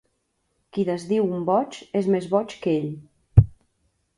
Qui desdiu un boig és més boig que ell.